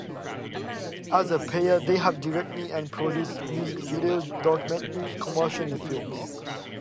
As a pair, they have directed and produced music videos, documentaries, commercials and films.